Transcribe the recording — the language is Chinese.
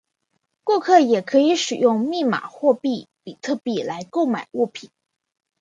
顾客也可以使用密码货币比特币来购买物品。